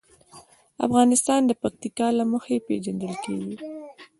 افغانستان د پکتیا له مخې پېژندل کېږي.